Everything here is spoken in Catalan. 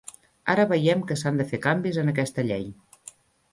Ara veiem que s'han de fer canvis en aquesta llei.